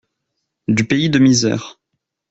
Du pays de misère.